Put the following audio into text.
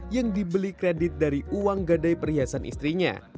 yang dibeli kredit dari uang gadai perhiasan istrinya